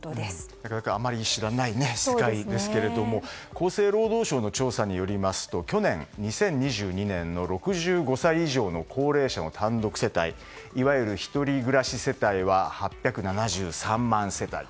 なかなかあまり知らない世界ですけれども厚生労働省の調査によりますと去年２０２２年の６５歳以上の高齢者の単独世帯いわゆる１人暮らし世帯は８７３万世帯。